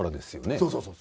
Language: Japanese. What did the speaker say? そうそうそうそう。